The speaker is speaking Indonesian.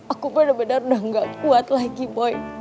aku benar benar udah gak kuat lagi boy